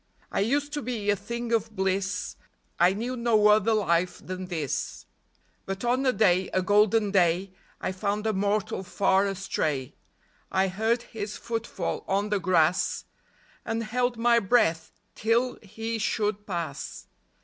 I used to be a thing of bliss ; I knew no other life than this ; 20 THE DRYAD. 21 But on a day, a golden day, I found a mortal far astray. I heard his foot fall on the grass, And held my breath till he should pass.